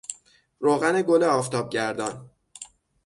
روغن گل آفتابگردان